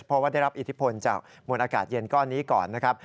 เพราะว่าได้รับอิทธิพลจากมวลอากาศเย็นก้อนนี้ก่อนนะครับ